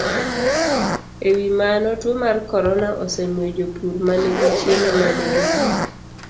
E wi mano, tuo mar corona osemiyo jopur ma nigi chiemo ma nigi gik